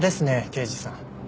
刑事さん。